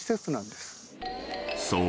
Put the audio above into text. ［そう。